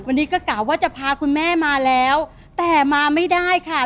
วันนี้ก็กะว่าจะพาคุณแม่มาแล้วแต่มาไม่ได้ค่ะ